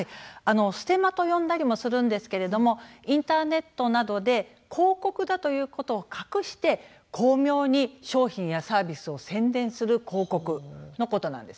ステマと呼んだりもするんですけれどもインターネットなどで広告だということを隠して巧妙に商品やサービスを宣伝する広告のことなんですね。